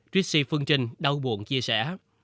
trishy phương trình đau buồn chia sẻ